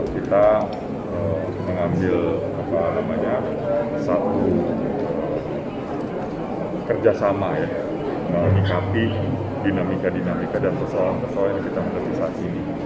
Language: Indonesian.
kita mengambil satu kerjasama menyikapi dinamika dinamika dan persoalan persoalan yang kita miliki saat ini